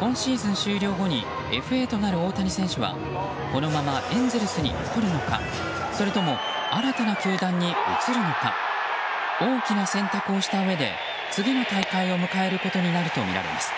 今シーズン終了後にＦＡとなる大谷選手はこのままエンゼルスに残るのかそれとも、新たな球団に移るのか大きな選択をしたうえで次の大会を迎えることになるとみられます。